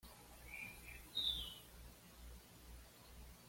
Recientemente se ha habilitado un campo de fútbol sala delante del frontón.